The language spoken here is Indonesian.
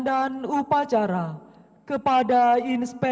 pancasila tahun dua ribu dua puluh satu